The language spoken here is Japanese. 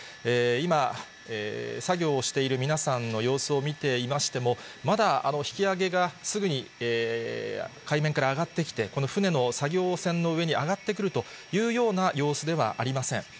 今、作業をしている皆さんの様子を見ていましても、まだ引き揚げがすぐに海面から上がってきて、この船の作業船の上に揚がってくるというような様子ではありません。